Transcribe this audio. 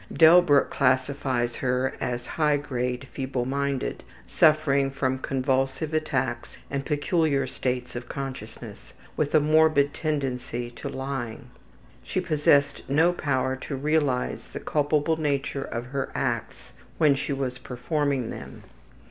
Delbruck classifies her as high grade feebleminded, suffering from convulsive attacks and peculiar states of consciousness, with a morbid tendency to lying. She possessed no power to realize the culpable nature of her acts when she was performing them.